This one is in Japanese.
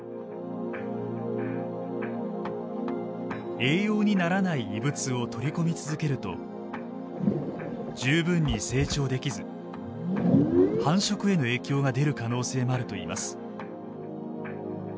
栄養にならない異物を取り込み続けると十分に成長できず繁殖への影響が出る可能性もあるといいます。